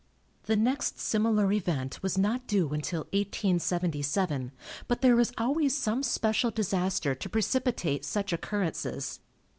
The next similar event was not due until 1877, but there is always some special disaster to precipitate such occurrences.